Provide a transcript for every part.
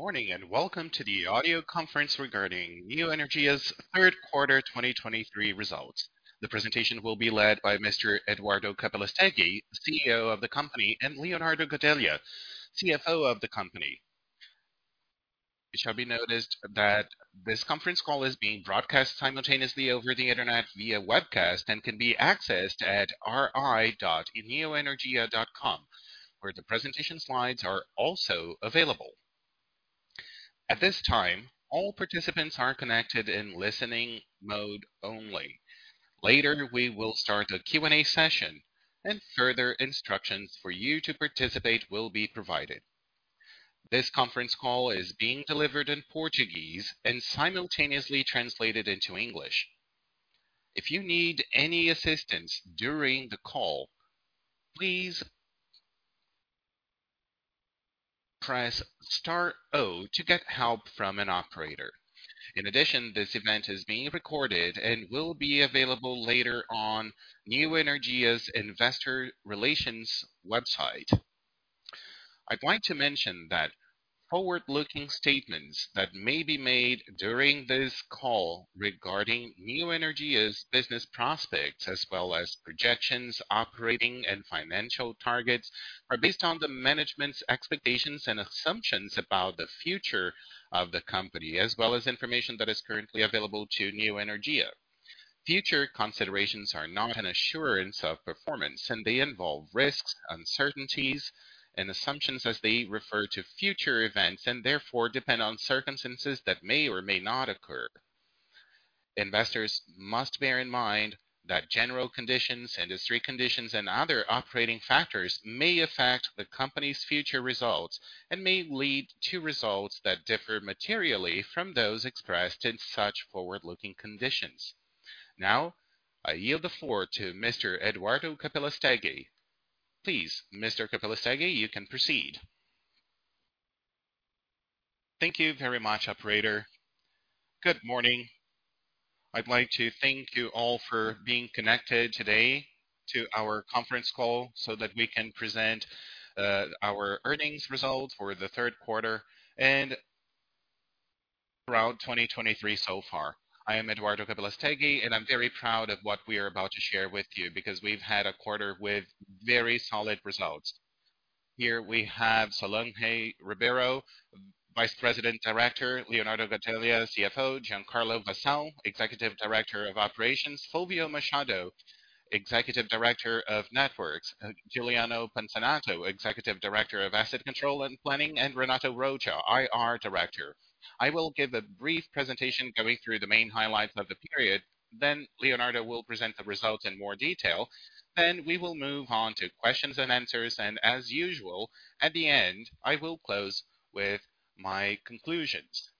Good morning, and welcome to the audio conference regarding Neoenergia's Third Quarter 2023 Results. The presentation will be led by Mr. Eduardo Capelastegui, CEO of the company, and Leonardo Gadelha, CFO of the company. It shall be noticed that this conference call is being broadcast simultaneously over the Internet via webcast, and can be accessed at ri.neoenergia.com, where the presentation slides are also available. At this time, all participants are connected in listening mode only. Later, we will start a Q&A session, and further instructions for you to participate will be provided. This conference call is being delivered in Portuguese and simultaneously translated into English. If you need any assistance during the call, please press star zero to get help from an operator. In addition, this event is being recorded and will be available later on Neoenergia's Investor Relations website. I'd like to mention that forward-looking statements that may be made during this call regarding Neoenergia's business prospects, as well as projections, operating and financial targets, are based on the management's expectations and assumptions about the future of the company, as well as information that is currently available to Neoenergia. Future considerations are not an assurance of performance, and they involve risks, uncertainties, and assumptions as they refer to future events, and therefore depend on circumstances that may or may not occur. Investors must bear in mind that general conditions, industry conditions, and other operating factors may affect the company's future results and may lead to results that differ materially from those expressed in such forward-looking conditions. Now, I yield the floor to Mr. Eduardo Capelastegui. Please, Mr. Capelastegui, you can proceed. Thank you very much, operator. Good morning. I'd like to thank you all for being connected today to our conference call so that we can present our earnings results for the third quarter and throughout 2023 so far. I am Eduardo Capelastegui, and I'm very proud of what we are about to share with you, because we've had a quarter with very solid results. Here we have Solange Ribeiro, Vice President Director, Leonardo Gadelha, CFO, Giancarlo Vassão, Executive Director of Operations, Fulvio Machado, Executive Director of Networks, Juliano Pansanato, Executive Director of Asset Control and Planning, and Renato Rocha, IR Director. I will give a brief presentation going through the main highlights of the period, then Leonardo will present the results in more detail. Then we will move on to questions and answers, and as usual, at the end, I will close with my conclusions.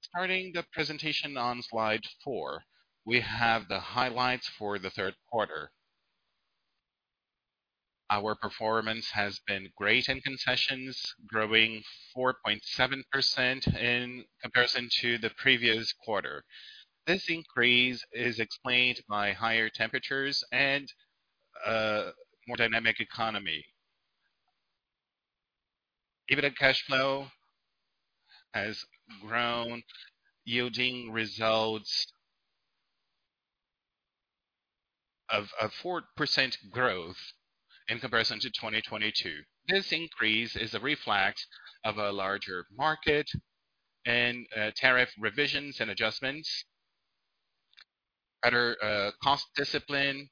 Starting the presentation on slide four, we have the highlights for the third quarter. Our performance has been great in concessions, growing 4.7% in comparison to the previous quarter. This increase is explained by higher temperatures and a more dynamic economy. EBITDA cash flow has grown, yielding results of a 4% growth in comparison to 2022. This increase is a reflex of a larger market and tariff revisions and adjustments, better cost discipline,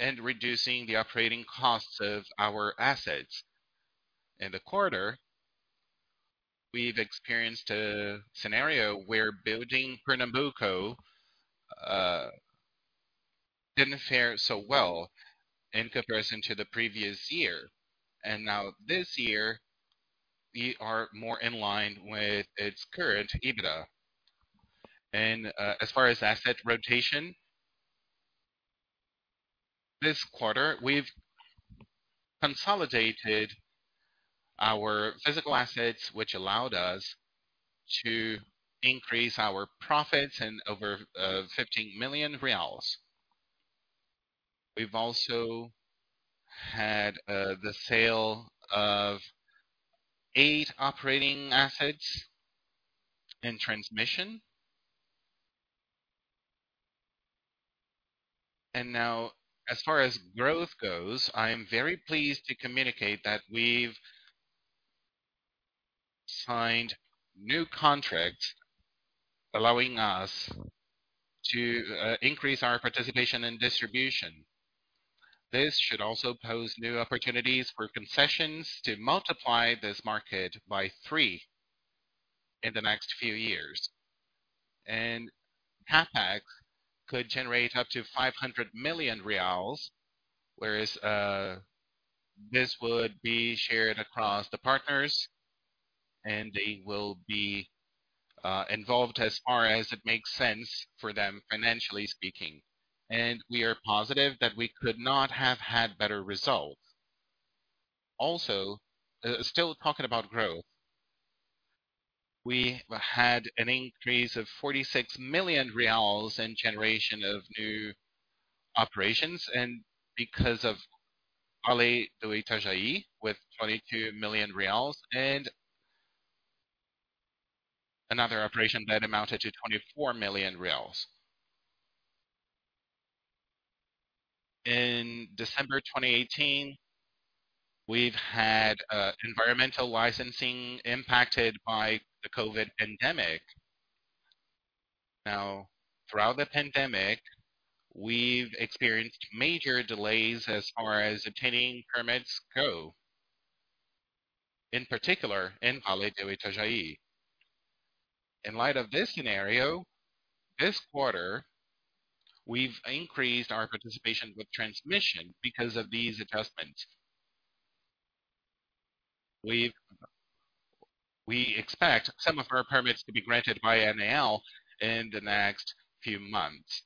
and reducing the operating costs of our assets. In the quarter, we've experienced a scenario where building Termopernambuco didn't fare so well in comparison to the previous year, and now this year, we are more in line with its current EBITDA. As far as asset rotation, this quarter, we've consolidated our physical assets, which allowed us to increase our profits in over 15 million reais. We've also had the sale of eight operating assets in transmission. And now, as far as growth goes, I am very pleased to communicate that we've signed new contracts allowing us to increase our participation in distribution. This should also pose new opportunities for concessions to multiply this market by three in the next few years. And CapEx could generate up to 500 million reais, whereas this would be shared across the partners, and they will be involved as far as it makes sense for them, financially speaking. And we are positive that we could not have had better results. Also, still talking about growth. We had an increase of 46 million reais in generation of new operations, and because of Vale do Itajaí, with 22 million reais and another operation that amounted to 24 million reais. In December 2018, we've had environmental licensing impacted by the COVID pandemic. Now, throughout the pandemic, we've experienced major delays as far as obtaining permits go, in particular in Vale do Itajaí. In light of this scenario, this quarter, we've increased our participation with transmission because of these adjustments. We expect some of our permits to be granted by ANEEL in the next few months.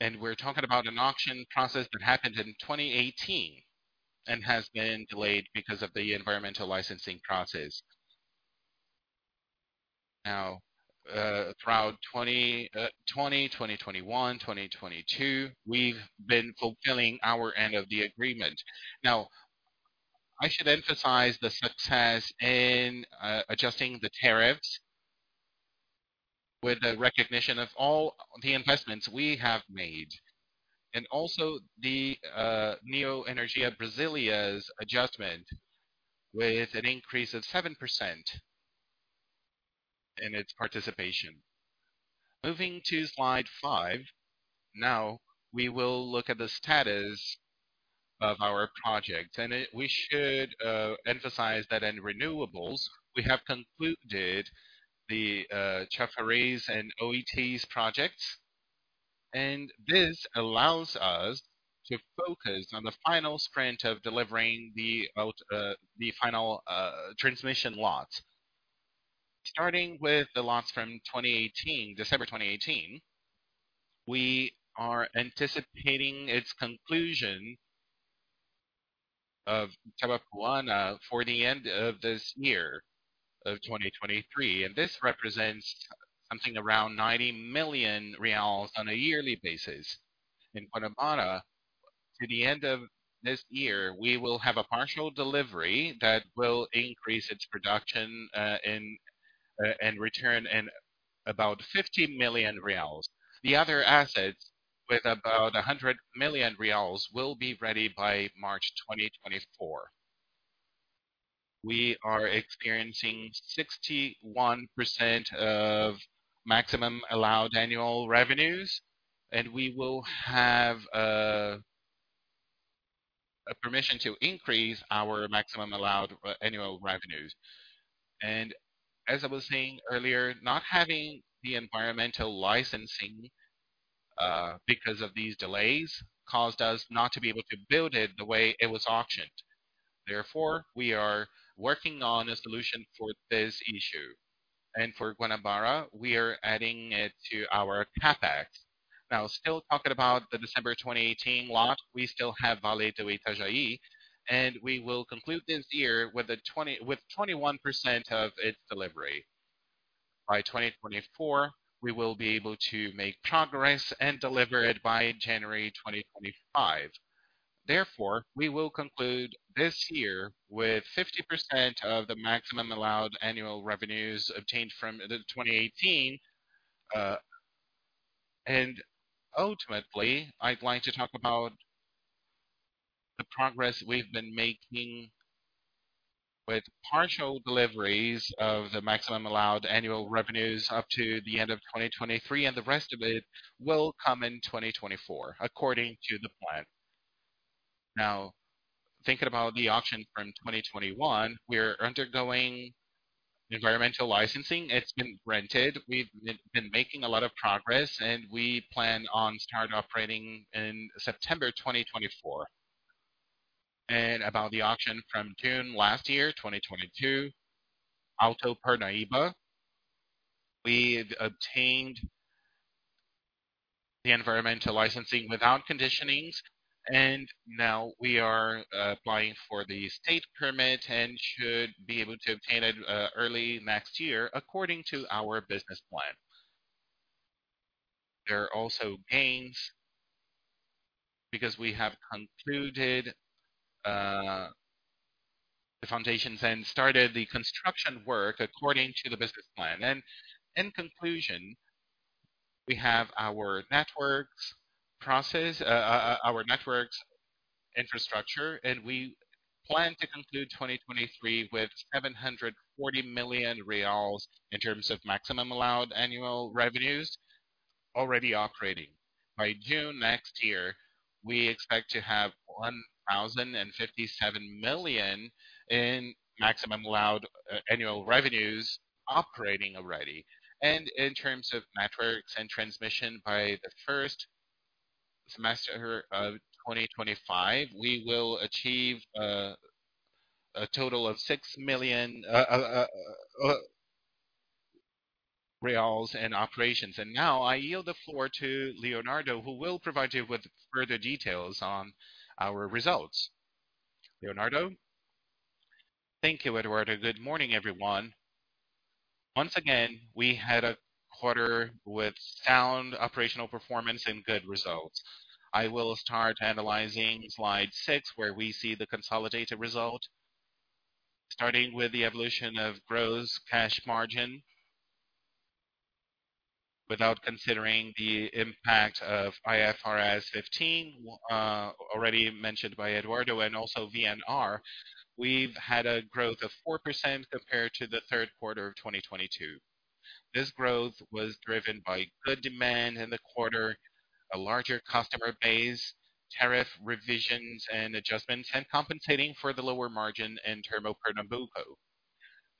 And we're talking about an auction process that happened in 2018 and has been delayed because of the environmental licensing process. Now, throughout 2020, 2021, 2022, we've been fulfilling our end of the agreement. Now, I should emphasize the success in adjusting the tariffs with the recognition of all the investments we have made, and also the Neoenergia Brasília's adjustment with an increase of 7% in its participation. Moving to slide five. Now, we will look at the status of our project, and we should emphasize that in renewables, we have concluded the Chafariz and Oitis projects, and this allows us to focus on the final sprint of delivering the final transmission lots. Starting with the lots from 2018, December 2018, we are anticipating its conclusion of Chapadão for the end of this year, of 2023, and this represents something around 90 million reais on a yearly basis. In Guanabara, to the end of this year, we will have a partial delivery that will increase its production and return in about 50 million reais. The other assets, with about 100 million reais, will be ready by March 2024. We are experiencing 61% of Maximum Allowed Annual Revenues, and we will have a permission to increase our Maximum Allowed Annual Revenues. As I was saying earlier, not having the environmental licensing because of these delays caused us not to be able to build it the way it was auctioned. Therefore, we are working on a solution for this issue, and for Guanabara, we are adding it to our CapEx. Now, still talking about the December 2018 lot, we still have Vale do Itajaí, and we will conclude this year with 21% of its delivery. By 2024, we will be able to make progress and deliver it by January 2025. Therefore, we will conclude this year with 50% of the Maximum Allowed Annual Revenues obtained from the 2018, and ultimately, I'd like to talk about the progress we've been making with partial deliveries of the Maximum Allowed Annual Revenues up to the end of 2023, and the rest of it will come in 2024, according to the plan. Now, thinking about the auction from 2021, we're undergoing environmental licensing. It's been granted. We've been making a lot of progress, and we plan on start operating in September 2024. About the auction from June last year, 2022, Alto Parnaíba, we've obtained the environmental licensing without conditionings, and now we are applying for the state permit and should be able to obtain it early next year, according to our business plan. There are also gains because we have concluded the foundations and started the construction work according to the business plan. And in conclusion, we have our networks process our networks infrastructure, and we plan to conclude 2023 with 740 million reais in terms of Maximum Allowed Annual Revenues already operating. By June next year, we expect to have 1,057 million in Maximum Allowed Annual Revenues operating already. And in terms of networks and transmission, by the first semester of 2025, we will achieve a total of BRL 6 million ...reais and operations. And now, I yield the floor to Leonardo, who will provide you with further details on our results. Leonardo? Thank you, Eduardo. Good morning, everyone. Once again, we had a quarter with sound operational performance and good results. I will start analyzing slide six, where we see the consolidated result, starting with the evolution of gross cash margin. Without considering the impact of IFRS 15, already mentioned by Eduardo and also VNR, we've had a growth of 4% compared to the third quarter of 2022. This growth was driven by good demand in the quarter, a larger customer base, tariff revisions and adjustments, and compensating for the lower margin in Termopernambuco.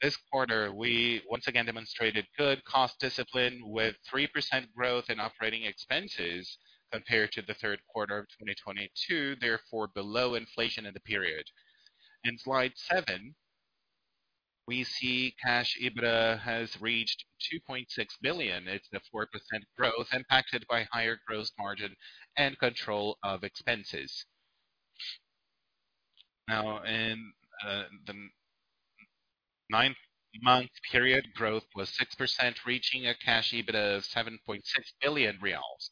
This quarter, we once again demonstrated good cost discipline, with 3% growth in operating expenses compared to the third quarter of 2022, therefore below inflation in the period. In slide seven, we see cash EBITDA has reached 2.6 billion. It's a 4% growth impacted by higher growth margin and control of expenses. Now, in the nine-month period, growth was 6%, reaching a cash EBITDA of 7.6 billion reais.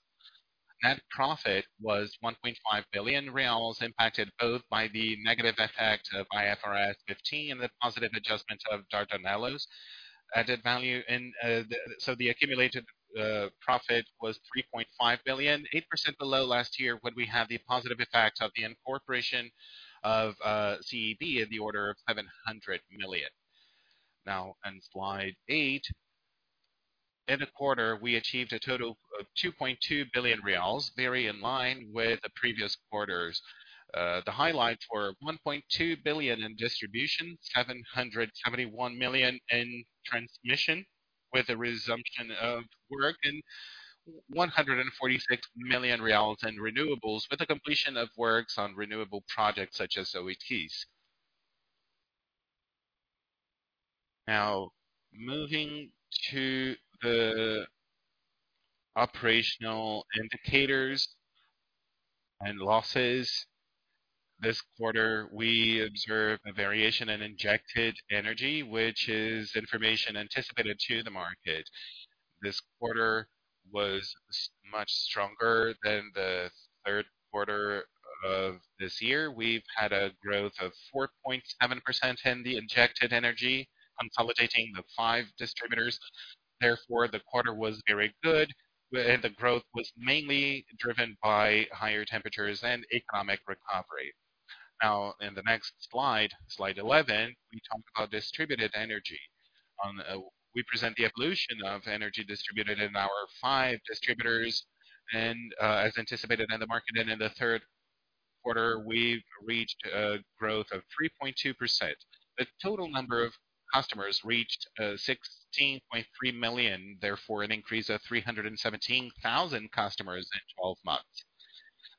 Net profit was 1.5 billion reais, impacted both by the negative effect of IFRS 15 and the positive adjustment of Dardanelos added value. So the accumulated profit was 3.5 billion, 8% below last year, when we had the positive effects of the incorporation of CEB in the order of 700 million. Now, on Slide eight, in the quarter, we achieved a total of 2.2 billion reais, very in line with the previous quarters. The highlights were 1.2 billion in distribution, 771 million in transmission, with a resumption of work, and 146 million reais in renewables, with the completion of works on renewable projects such as Oitis. Now, moving to the operational indicators and losses. This quarter, we observed a variation in injected energy, which is information anticipated to the market. This quarter was much stronger than the third quarter of this year. We've had a growth of 4.7% in the injected energy, consolidating the five distributors. Therefore, the quarter was very good, and the growth was mainly driven by higher temperatures and economic recovery. Now, in the next slide, slide 11, we talk about distributed energy. We present the evolution of energy distributed in our five distributors. As anticipated in the market and in the third quarter, we've reached a growth of 3.2%. The total number of customers reached 16.3 million, therefore an increase of 317,000 customers in 12 months.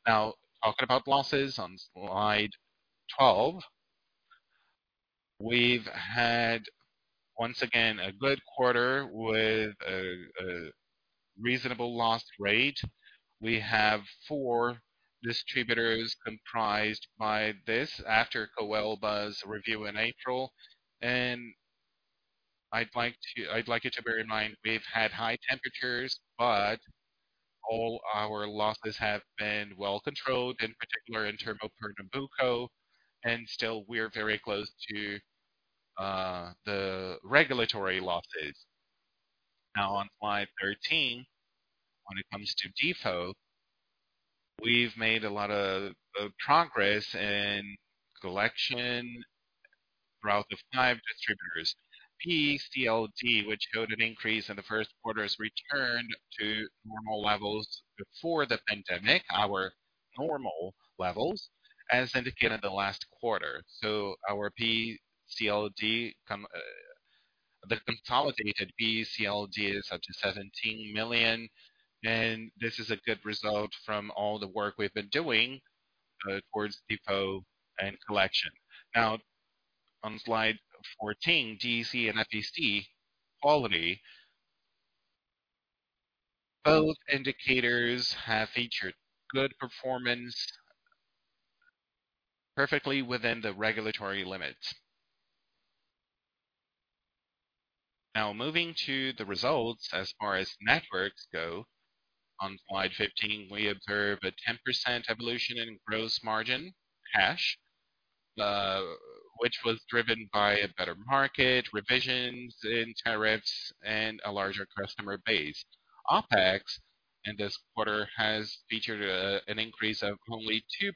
Now, talking about losses on slide 12. We've had, once again, a good quarter with a reasonable loss rate. We have four distributors comprised by this after Coelba's review in April. And I'd like you to bear in mind, we've had high temperatures, but all our losses have been well controlled, in particular in Termopernambuco, and still, we're very close to the regulatory losses. Now, on slide 13, when it comes to default, we've made a lot of progress in collection throughout the five distributors. PCLD, which showed an increase in the first quarter, has returned to normal levels before the pandemic, our normal levels, as indicated in the last quarter. So our PCLD, the consolidated PCLD is up to 17 million, and this is a good result from all the work we've been doing, towards default and collection. Now, on slide 14, DEC and FEC quality. Both indicators have featured good performance, perfectly within the regulatory limits. Now, moving to the results as far as networks go, on slide 15, we observe a 10% evolution in gross margin cash, which was driven by a better market, revisions in tariffs, and a larger customer base. OpEx in this quarter has featured, an increase of only 2%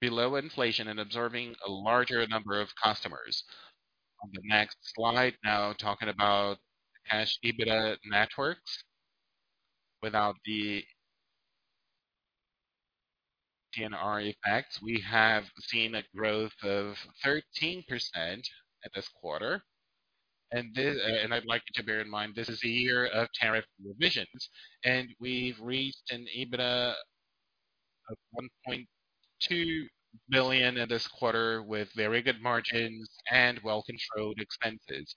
below inflation and observing a larger number of customers. On the next slide, now talking about cash EBITDA networks. Without the VNR effects, we have seen a growth of 13% at this quarter. And this, and I'd like you to bear in mind, this is a year of tariff revisions, and we've reached an EBITDA of 1.2 billion in this quarter, with very good margins and well-controlled expenses.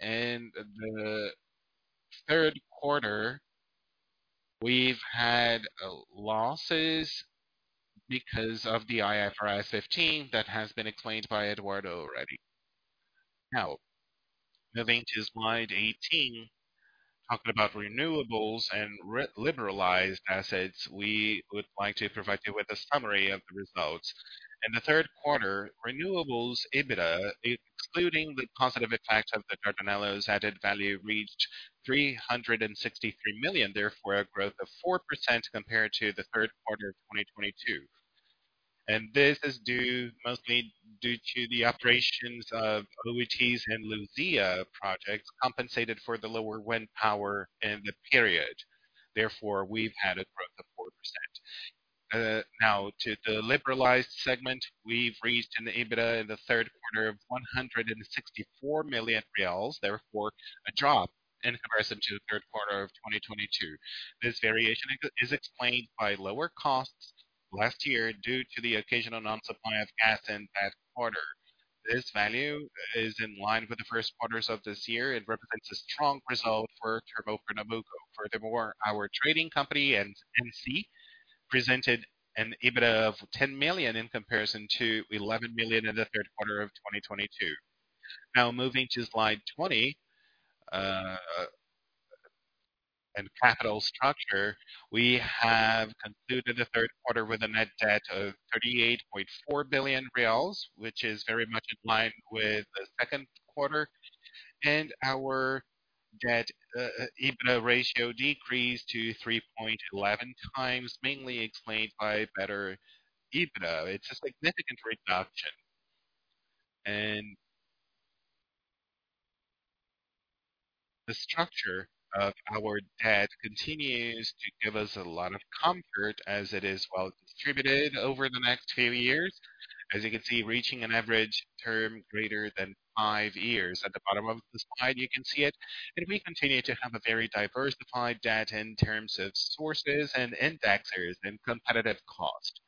And the third quarter, we've had losses because of the IFRS 15 that has been explained by Eduardo already. Now, moving to slide 18, talking about renewables and reliberalized assets, we would like to provide you with a summary of the results. In the third quarter, renewables EBITDA, excluding the positive effect of the Dardanelos added value, reached 363 million, therefore, a growth of 4% compared to the third quarter of 2022. This is due mostly to the operations of Oitis and Luzia projects, compensated for the lower wind power in the period. Therefore, we've had a growth of 4%. Now, to the liberalized segment, we've reached an EBITDA in the third quarter of 164 million reais, therefore, a drop in comparison to the third quarter of 2022. This variation is explained by lower costs last year, due to the occasional non-supply of gas in that quarter. This value is in line with the first quarters of this year and represents a strong result for Termopernambuco. Furthermore, our trading company, NC, presented an EBITDA of 10 million, in comparison to 11 million in the third quarter of 2022. Now, moving to slide 20, and capital structure. We have concluded the third quarter with a net debt of 38.4 billion reais, which is very much in line with the second quarter, and our debt, EBITDA ratio decreased to 3.11x, mainly explained by better EBITDA. It's a significant reduction, and the structure of our debt continues to give us a lot of comfort, as it is well distributed over the next few years. As you can see, reaching an average term greater than five years. At the bottom of the slide, you can see it, and we continue to have a very diversified debt in terms of sources and indexers and competitive cost.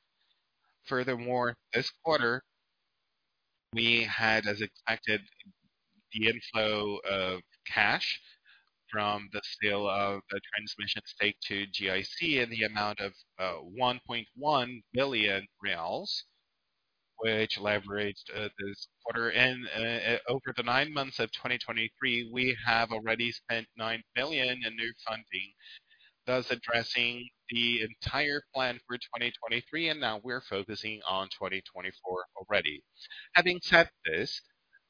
Furthermore, this quarter, we had, as expected, the inflow of cash from the sale of the transmission stake to GIC in the amount of 1.1 billion reais, which leveraged this quarter. Over the nine months of 2023, we have already spent 9 billion in new funding, thus addressing the entire plan for 2023, and now we're focusing on 2024 already. Having said this,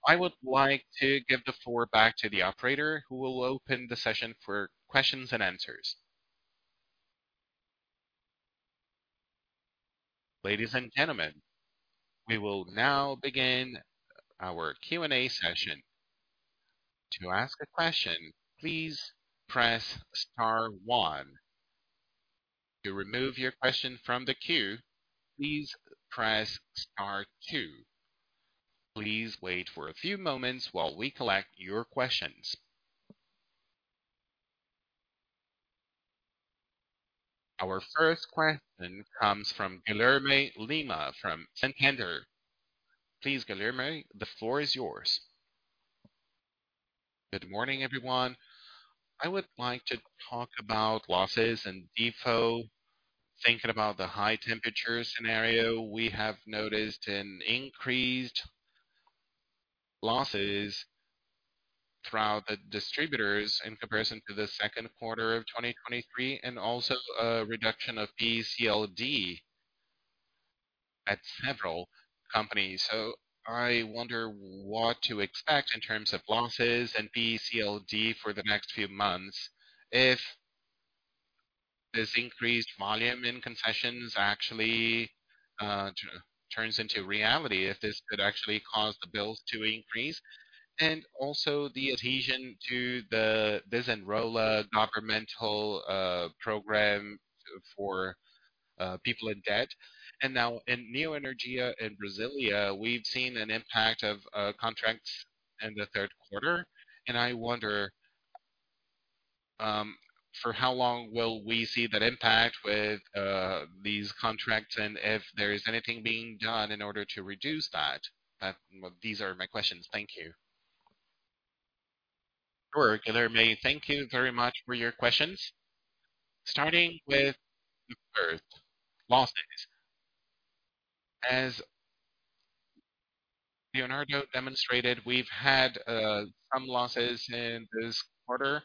I would like to give the floor back to the operator, who will open the session for questions and answers. Ladies and gentlemen, we will now begin our Q&A session. To ask a question, please press star one. To remove your question from the queue, please press star two. Please wait for a few moments while we collect your questions. Our first question comes from Guilherme Lima, from Banco Santander. Please, Guilherme, the floor is yours. Good morning, everyone. I would like to talk about losses and default. Thinking about the high temperature scenario, we have noticed an increased losses throughout the distributors in comparison to the second quarter of 2023, and also a reduction of PECLD at several companies. So I wonder what to expect in terms of losses and PECLD for the next few months, if this increased volume in concessions actually turns into reality, if this could actually cause the bills to increase, and also the adhesion to the Desenrola governmental program for people in debt. And now, in Neoenergia Brasília, we've seen an impact of contracts in the third quarter, and I wonder for how long will we see that impact with these contracts, and if there is anything being done in order to reduce that? Well, these are my questions. Thank you. Sure, Guilherme. Thank you very much for your questions. Starting with first, losses. As Leonardo demonstrated, we've had some losses in this quarter,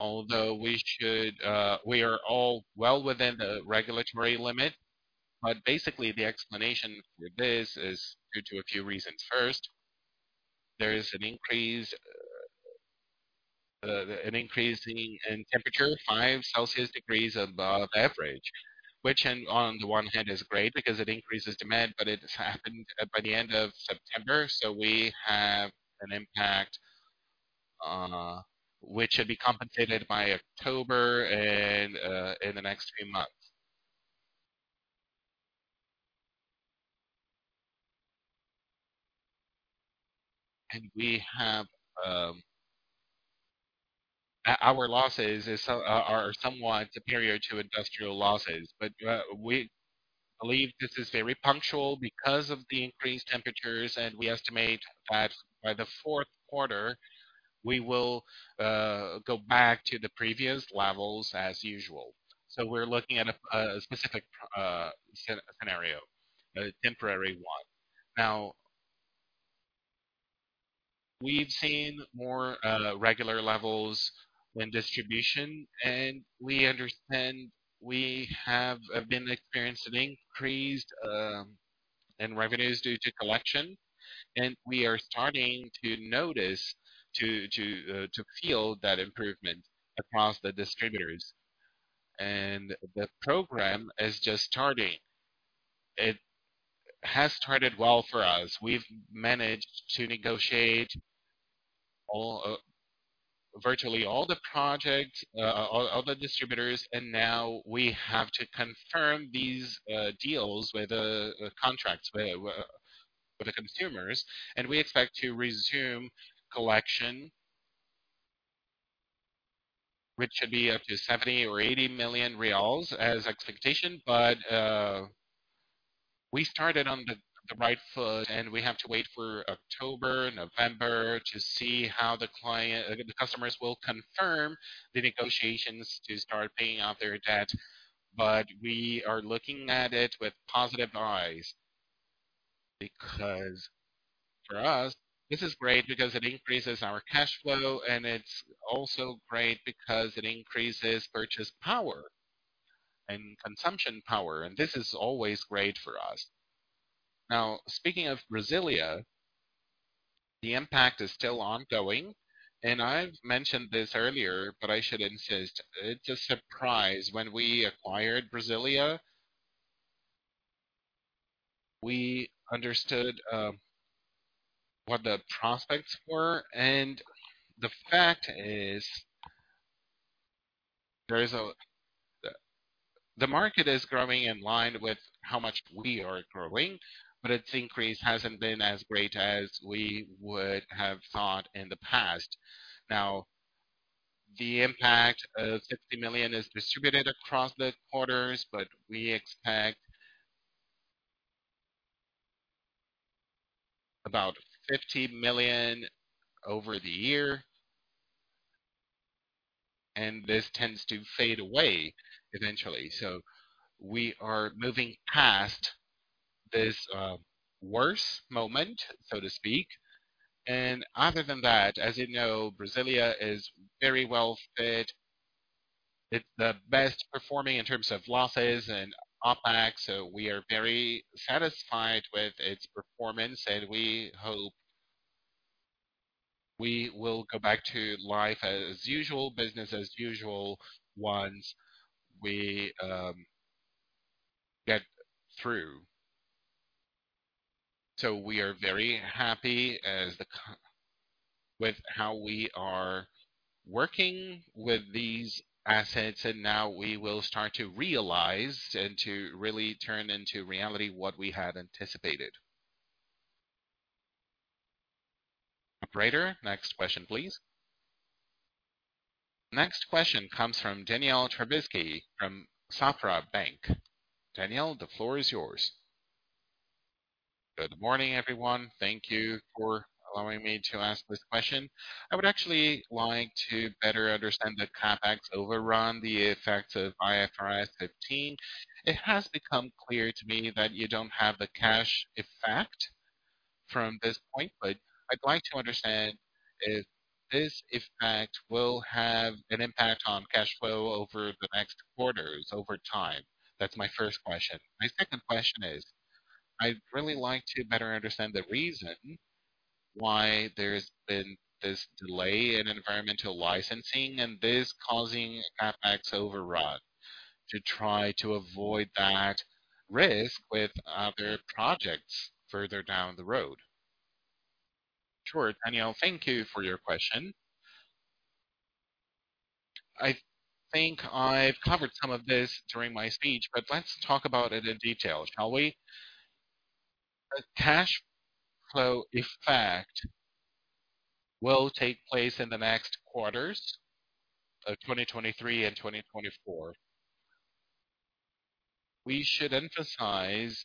although we should, we are all well within the regulatory limit. But basically, the explanation for this is due to a few reasons. First, there is an increase, an increase in temperature, 5 degrees Celsius above average, which on the one hand is great because it increases demand, but it has happened by the end of September. So we have an impact, which should be compensated by October and in the next three months. And we have our losses, which are somewhat superior to industrial losses. But we believe this is very punctual because of the increased temperatures, and we estimate that by the fourth quarter, we will go back to the previous levels as usual. So we're looking at a specific scenario, a temporary one. Now, we've seen more regular levels in distribution, and we understand we have been experiencing increased in revenues due to collection, and we are starting to notice to feel that improvement across the distributors. The program is just starting. It has started well for us. We've managed to negotiate all virtually all the project all the distributors, and now we have to confirm these deals with the contracts with the consumers. We expect to resume collection, which should be up to 70 million or 80 million reais as expectation. But we started on the right foot, and we have to wait for October, November to see how the customers will confirm the negotiations to start paying off their debt. But we are looking at it with positive eyes, because for us, this is great because it increases our cash flow, and it's also great because it increases purchase power and consumption power, and this is always great for us. Now, speaking of Brasília, the impact is still ongoing, and I've mentioned this earlier, but I should insist. It's a surprise. When we acquired Brasília, we understood what the prospects were. And the fact is, there is. The market is growing in line with how much we are growing, but its increase hasn't been as great as we would have thought in the past. Now, the impact of 60 million is distributed across the quarters, but we expect about 50 million over the year, and this tends to fade away eventually. So we are moving past this worse moment, so to speak. Other than that, as you know, Brasília is very well fit. It's the best performing in terms of losses and OpEx, so we are very satisfied with its performance, and we hope we will go back to life as usual, business as usual, once we get through. So we are very happy with how we are working with these assets, and now we will start to realize and to really turn into reality what we had anticipated. Operator, next question, please. Next question comes from Daniel Travitzky from Safra Bank. Daniel, the floor is yours. Good morning, everyone. Thank you for allowing me to ask this question. I would actually like to better understand the CapEx overrun, the effects of IFRS 15. It has become clear to me that you don't have the cash effect from this point, but I'd like to understand if this effect will have an impact on cash flow over the next quarters, over time. That's my first question. My second question is, I'd really like to better understand the reason why there's been this delay in environmental licensing, and this causing CapEx overrun, to try to avoid that risk with other projects further down the road. Sure, Daniel, thank you for your question. I think I've covered some of this during my speech, but let's talk about it in detail, shall we? The cash flow effect will take place in the next quarters of 2023 and 2024. We should emphasize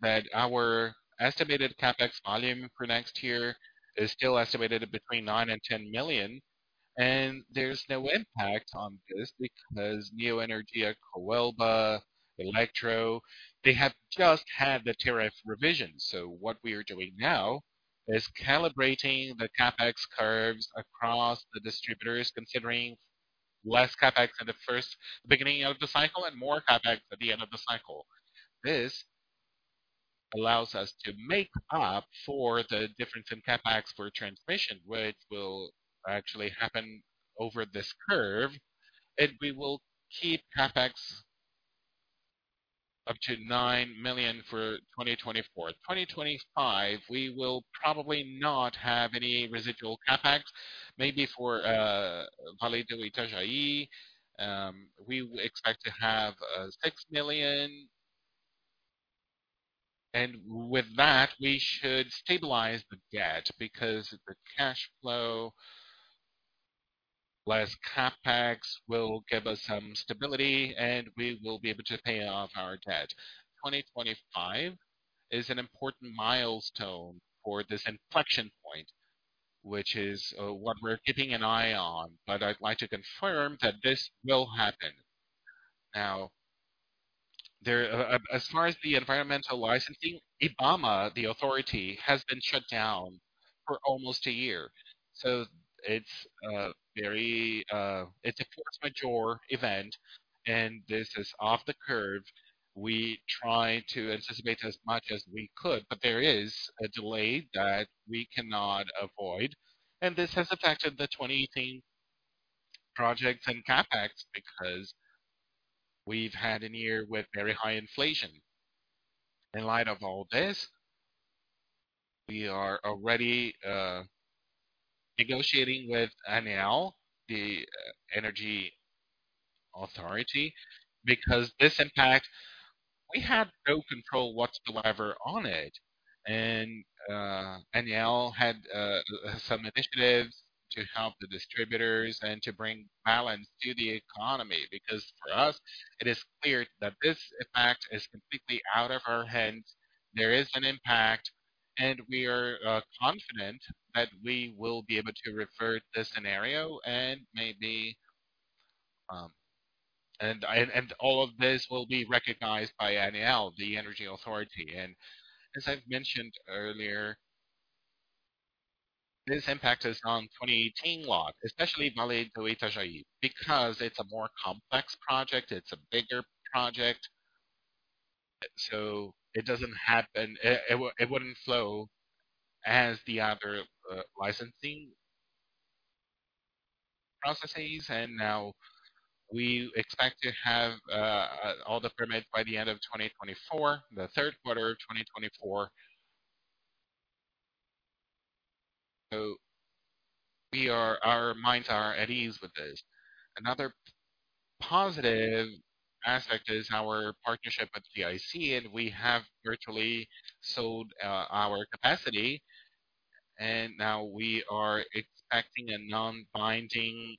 that our estimated CapEx volume for next year is still estimated between 9 million and 10 million, and there's no impact on this because Neoenergia, Coelba, Elektro, they have just had the tariff revision. So what we are doing now is calibrating the CapEx curves across the distributors, considering less CapEx at the first beginning of the cycle and more CapEx at the end of the cycle. This allows us to make up for the difference in CapEx for transmission, which will actually happen over this curve, and we will keep CapEx up to 9 million for 2024. 2025, we will probably not have any residual CapEx. Maybe for Vale do Itajaí, we expect to have 6 million.... And with that, we should stabilize the debt, because the cash flow, less CapEx, will give us some stability, and we will be able to pay off our debt. 2025 is an important milestone for this inflection point, which is what we're keeping an eye on, but I'd like to confirm that this will happen. Now, there as far as the environmental licensing, IBAMA, the authority, has been shut down for almost a year, so it's very it's a force majeure event, and this is off the curve. We try to anticipate as much as we could, but there is a delay that we cannot avoid, and this has affected the 2018 project and CapEx, because we've had a year with very high inflation. In light of all this, we are already negotiating with ANEEL, the energy authority, because this impact, we have no control whatsoever on it. ANEEL had some initiatives to help the distributors and to bring balance to the economy, because for us, it is clear that this impact is completely out of our hands. There is an impact, and we are confident that we will be able to revert this scenario, and maybe And I, and all of this will be recognized by ANEEL, the energy authority. And as I've mentioned earlier, this impact is on 2018 lot, especially Vale do Itajaí, because it's a more complex project, it's a bigger project, so it doesn't happen. It wouldn't flow as the other licensing processes, and now we expect to have all the permits by the end of 2024, the third quarter of 2024. So we are. Our minds are at ease with this. Another positive aspect is our partnership with GIC, and we have virtually sold our capacity, and now we are expecting a non-binding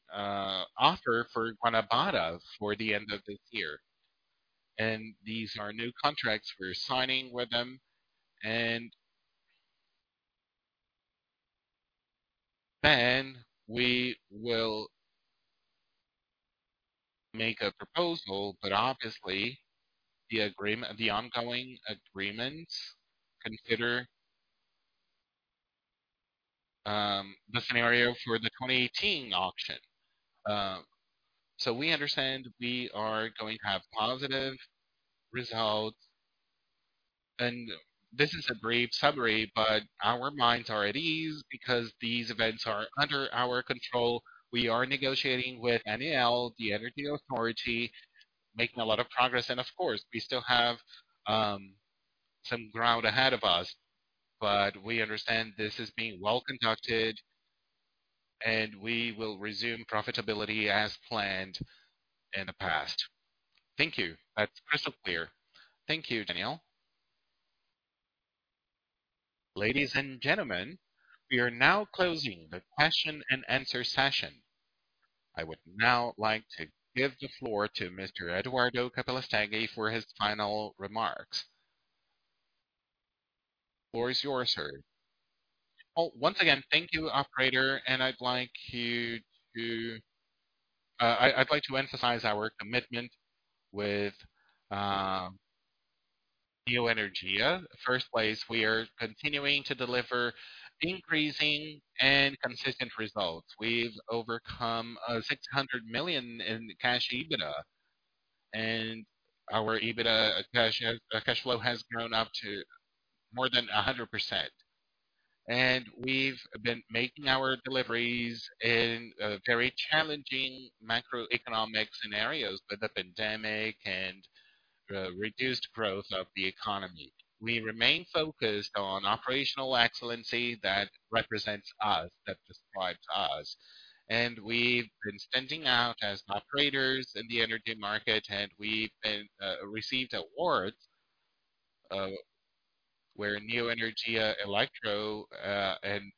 offer for Guanabara for the end of this year. And these are new contracts we're signing with them, and then we will make a proposal. But obviously, the agreement, the ongoing agreements consider the scenario for the 2018 auction. So we understand we are going to have positive results, and this is a brief summary, but our minds are at ease because these events are under our control. We are negotiating with ANEEL, the energy authority, making a lot of progress. Of course, we still have some ground ahead of us, but we understand this is being well conducted, and we will resume profitability as planned in the past. Thank you. That's crystal clear. Thank you, Daniel. Ladies and gentlemen, we are now closing the question-and-answer session. I would now like to give the floor to Mr. Eduardo Capelastegui for his final remarks. The floor is yours, sir. Well, once again, thank you, operator, and I'd like to emphasize our commitment with Neoenergia. First place, we are continuing to deliver increasing and consistent results. We've overcome six hundred million in cash EBITDA, and our EBITDA cash cash flow has grown up to more than a hundred percent. And we've been making our deliveries in very challenging macroeconomic scenarios with the pandemic and reduced growth of the economy. We remain focused on operational excellence that represents us, that describes us. We've been standing out as operators in the energy market, and we've been received awards, where Neoenergia Elektro and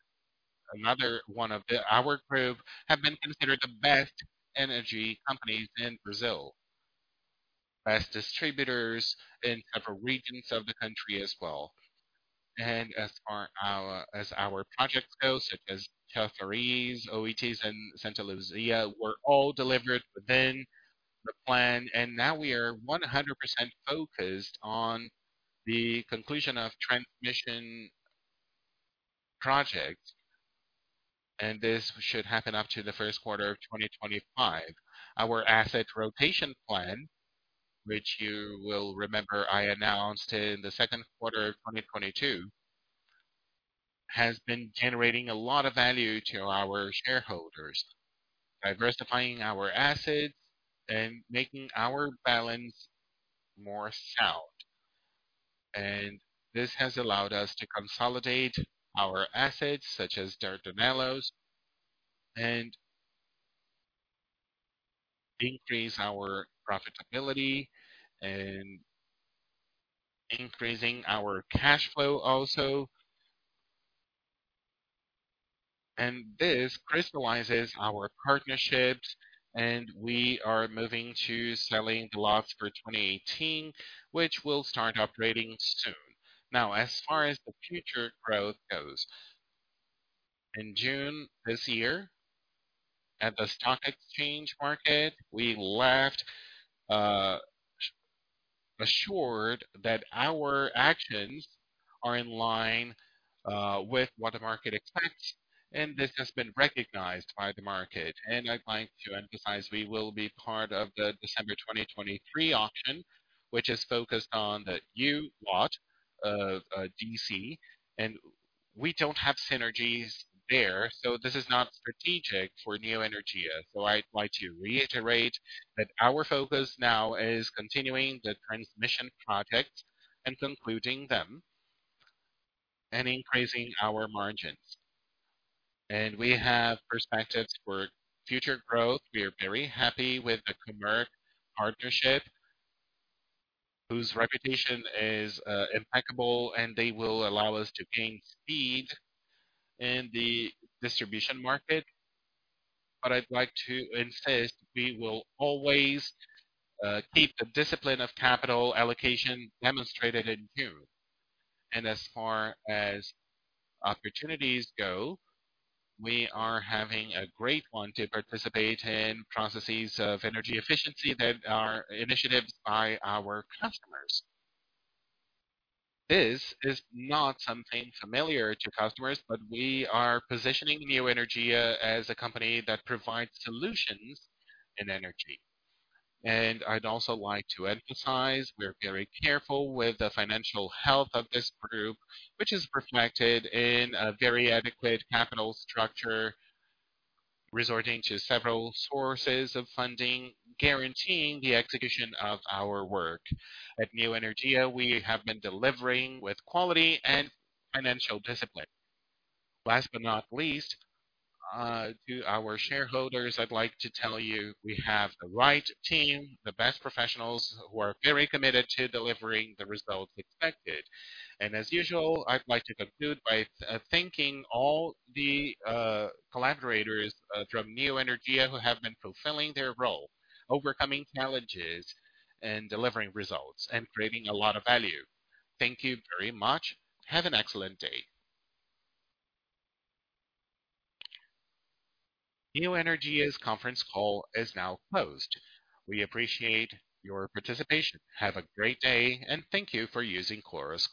another one of our group have been considered the best energy companies in Brazil, best distributors in several regions of the country as well. As far as our projects go, such as Chafariz, Oitis, and Santa Luzia, were all delivered within the plan, and now we are 100% focused on the conclusion of transmission projects, and this should happen up to the first quarter of 2025. Our asset rotation plan, which you will remember I announced in the second quarter of 2022, has been generating a lot of value to our shareholders, diversifying our assets and making our balance more sound. This has allowed us to consolidate our assets, such as Dardanelos, and increase our profitability and increasing our cash flow also. This crystallizes our partnerships, and we are moving to selling lots for 2018, which will start operating soon. Now, as far as the future growth goes, in June this year, at the stock exchange market, we feel assured that our actions are in line with what the market expects, and this has been recognized by the market. I'd like to emphasize, we will be part of the December 2023 auction, which is focused on the new lot of DC, and we don't have synergies there, so this is not strategic for Neoenergia. I'd like to reiterate that our focus now is continuing the transmission projects and concluding them, and increasing our margins. We have perspectives for future growth. We are very happy with the commercial partnership, whose reputation is impeccable, and they will allow us to gain speed in the distribution market. But I'd like to insist, we will always keep the discipline of capital allocation demonstrated in June. And as far as opportunities go, we are having a great one to participate in processes of energy efficiency that are initiatives by our customers. This is not something familiar to customers, but we are positioning Neoenergia as a company that provides solutions in energy. And I'd also like to emphasize, we're very careful with the financial health of this group, which is reflected in a very adequate capital structure, resorting to several sources of funding, guaranteeing the execution of our work. At Neoenergia, we have been delivering with quality and financial discipline. Last but not least, to our shareholders, I'd like to tell you, we have the right team, the best professionals, who are very committed to delivering the results expected. And as usual, I'd like to conclude by thanking all the collaborators from Neoenergia, who have been fulfilling their role, overcoming challenges and delivering results, and creating a lot of value. Thank you very much. Have an excellent day. Neoenergia's conference call is now closed. We appreciate your participation. Have a great day, and thank you for using Chorus.